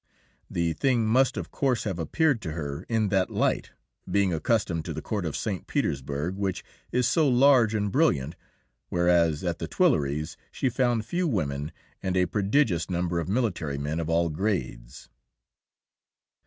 The thing must of course have appeared to her in that light, being accustomed to the court of St. Petersburg, which is so large and brilliant, whereas at the Tuileries she found few women and a prodigious number of military men of all grades.